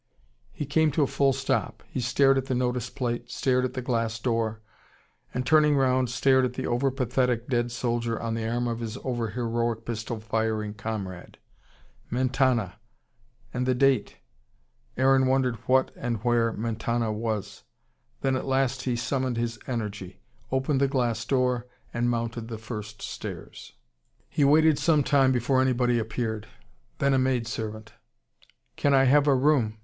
He came to a full stop. He stared at the notice plate, stared at the glass door, and turning round, stared at the over pathetic dead soldier on the arm of his over heroic pistol firing comrade; Mentana and the date! Aaron wondered what and where Mentana was. Then at last he summoned his energy, opened the glass door, and mounted the first stairs. He waited some time before anybody appeared. Then a maid servant. "Can I have a room?"